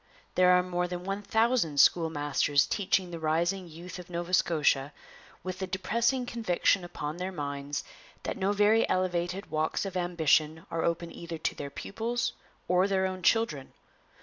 There are more than one thousand schoolmasters teaching the rising youth of Nova Scotia with the depressing conviction upon their minds that no very elevated walks of ambition are open either to their pupils or their own children.